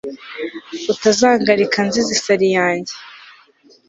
utazangarika nzize isari yanjye